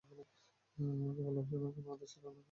আমাকে ভালোবাসার না কোনো আদেশ ছিল না কোন অধিকার।